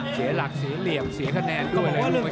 แช่ลักแช่เหลี่ยมแช่ขนาด